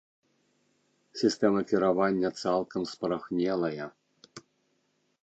Сістэма кіравання цалкам спарахнелая.